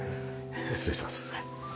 失礼します。